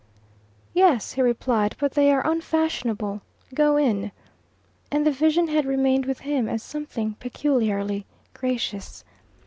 "Yes," he replied; "but they are unfashionable. Go in," and the vision had remained with him as something peculiarly gracious.